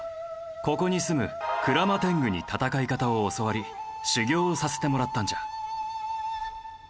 ここに住む鞍馬天狗に戦い方を教わり修行をさせてもらったんじゃ。